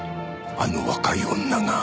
あの若い女が。